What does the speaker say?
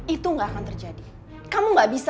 itu gak akan terjadi kamu gak bisa